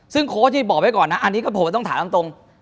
ซึ่งโค้ชที่บอกไว้ก่อนนะอันนี้ก็ผมต้องถามตรง